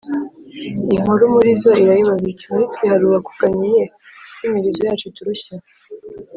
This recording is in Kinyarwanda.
inkuru muri zo irayibaza iti « muri twe hari uwakuganyiye ko imirizo yacu iturushya ?